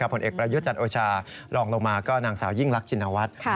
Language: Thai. ผลเอกประยุทธ์จันทร์โอชาลองลงมาก็นางสาวยิ่งรักชินวัฒน์